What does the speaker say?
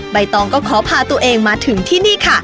ใบตองก็ขอพาตัวเองมาถึงที่นี่ค่ะ